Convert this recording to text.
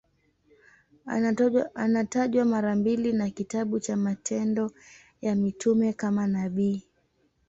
Anatajwa mara mbili na kitabu cha Matendo ya Mitume kama nabii.